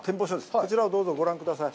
こちらをどうぞご覧ください。